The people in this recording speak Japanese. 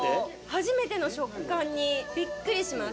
初めての食感にびっくりします。